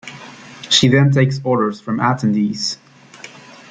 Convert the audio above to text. She then takes orders from attendees.